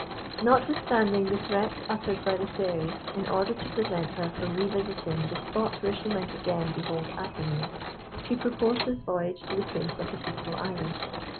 Notwithstanding the threats uttered by the Fairy, in order to prevent her from revisiting the spot where she might again behold Atimir, she proposed this voyage to the Prince of the Peaceful Island.